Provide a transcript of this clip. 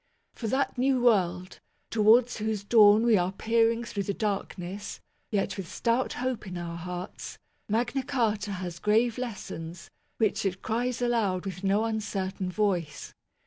For that new world, towards whose dawn we are peering through the darkness, yet with stout hope in our hearts, Magna Carta has grave lessons, which it cries aloud with no uncertain voice.